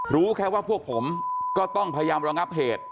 รู้แค่ว่าพวกผมก็ต้องพยายามระงับเหตุ